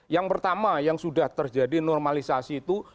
yang pertama yang sudah terjadi normalisasi itu